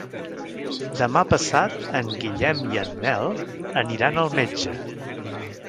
Demà passat en Guillem i en Nel aniran al metge.